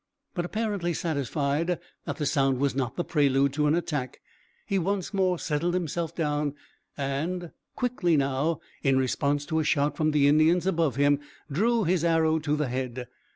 But apparently satisfied that the sound was not the prelude to an attack, he once more settled himself down and quickly now, in response to a shout from the Indians above him drew his arrow to the head.